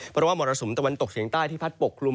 เพราะว่ามรสุมตะวันตกเฉียงใต้ที่พัดปกคลุม